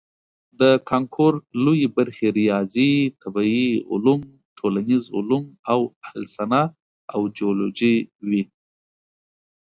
د کانکور لویې برخې ریاضي، طبیعي علوم، ټولنیز علوم او السنه او جیولوجي وي.